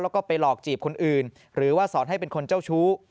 แล้วก็ไปหลอกจีบคนอื่นหรือว่าสอนให้เป็นคนเจ้าชู้